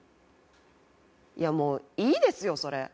いやもういいですよそれ。